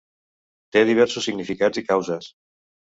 Té diversos significats i causes.